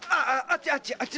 あっち！